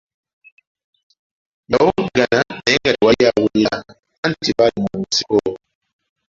Yawoggana naye nga tewali awulira anti baali mu nsiko.